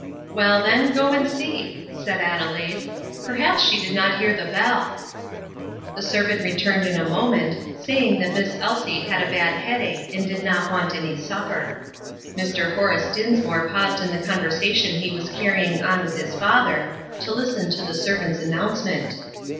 "Well, then, go and see," said Adelaide; "perhaps she did not hear the bell." The servant returned in a moment, saying that Miss Elsie had a bad headache and did not want any supper. Mr. Horace Dinsmore paused in the conversation he was carrying on with his father, to listen to the servant's announcement.